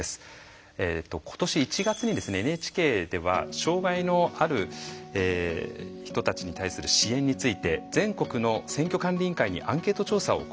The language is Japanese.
えっと今年１月にですねＮＨＫでは障害のある人たちに対する支援について全国の選挙管理委員会にアンケート調査を行いました。